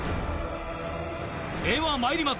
ではまいります！